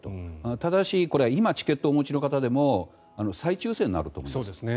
ただし、これは今、チケットをお持ちの方でも再抽選になると思います。